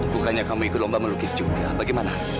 bukannya kamu ikut lomba melukis juga bagaimana sih